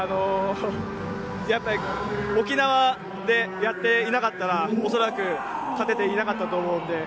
やっぱり沖縄でやっていなかったら恐らく勝てていなかったと思うので。